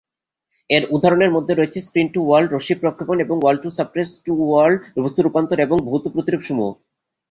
এর উদাহরণের মধ্যে রয়েছে স্ক্রিন-টু-ওয়ার্ল্ড রশ্মি প্রক্ষেপণ, ওয়ার্ল্ড-টু-সাবস্পেস-টু-ওয়ার্ল্ড বস্তু রূপান্তর, এবং ভৌত প্রতিরূপসমূহ।